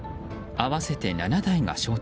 合わせて７台が衝突。